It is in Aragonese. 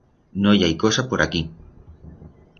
No i hai cosa por aquí.